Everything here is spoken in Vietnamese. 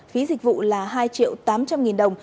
phí dịch vụ là hai triệu tám trăm linh nghìn đồng